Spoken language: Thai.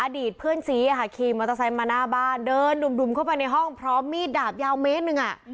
อดีตเพื่อนซีขี่มอเตอร์ไซค์มาหน้าบ้านเดินดุ่มเข้าไปในห้องพร้อมมีดดาบยาวเมตรหนึ่ง